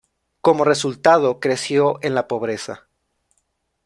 Como resultado, creció en la pobreza.